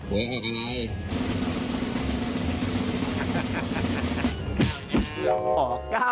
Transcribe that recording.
โอ้โห